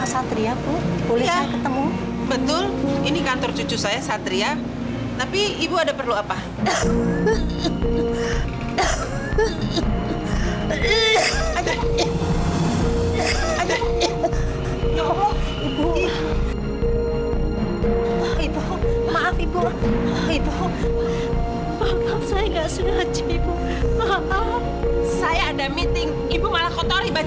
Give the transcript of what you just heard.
sampai jumpa di video selanjutnya